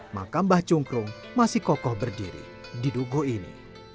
maka mbah cungkrung masih kokoh berdiri di dukuh ini